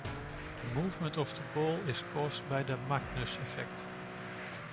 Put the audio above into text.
The movement of the ball is caused by the Magnus effect.